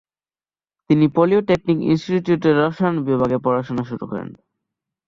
তিনি পলিটেকনিক ইনস্টিটিউটের রসায়ন বিভাগে পড়াশোনা শুরু করেন।